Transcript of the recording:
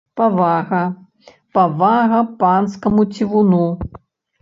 Павага, павага панскаму цівуну!